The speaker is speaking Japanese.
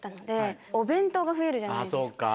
そうか。